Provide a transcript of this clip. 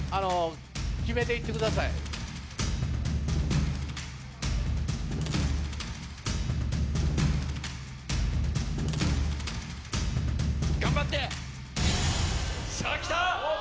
決めて行ってください。頑張って！さぁ来た！